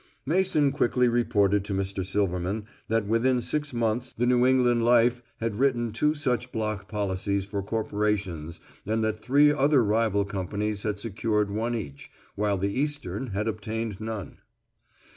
Mason quickly reported to Mr. Silverman that within six months the New England Life had written two such block policies for corporations and that three other rival companies had secured one each, while the Eastern had obtained none.